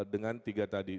dengan tiga tadi